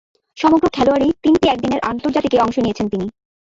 সমগ্র খেলোয়াড়ী তিনটি একদিনের আন্তর্জাতিকে অংশ নিয়েছেন তিনি।